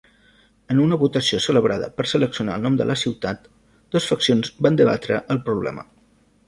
En una votació celebrada per seleccionar el nom de la ciutat, dos faccions van debatre el problema.